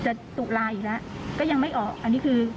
ตุลาอีกแล้วก็ยังไม่ออกอันนี้คือ